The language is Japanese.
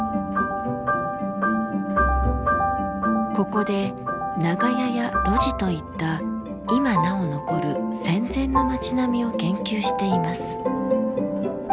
ここで長屋や路地といった今なお残る戦前の街並みを研究しています。